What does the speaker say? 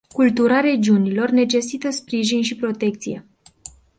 Cultura regiunilor necesită sprijin și protecție.